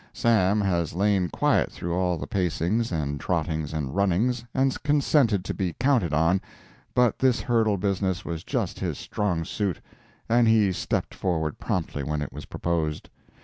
Sam has lain quiet through all the pacings and trottings and runnings, and consented to be counted out, but this hurdle business was just his strong suit, and he stepped forward promptly when it was proposed.